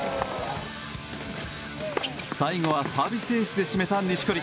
最後はサービスエースで締めた錦織。